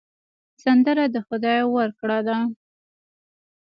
سندره د خدای ورکړه ده